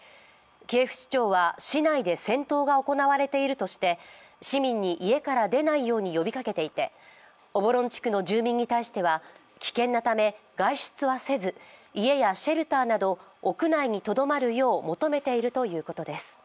キエフ市長は、市内で戦闘が行われているとして市民に家から出ないように呼びかけていてオボロン地区の住民に対しては危険なため外出はせず家やシェルターなど屋内にとどまるよう求めているということです。